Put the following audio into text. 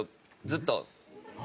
ずっと。